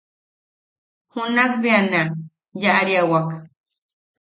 Junak bea na yaʼariawak.